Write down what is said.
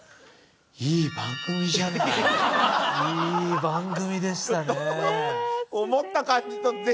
いい番組でしたねぇ。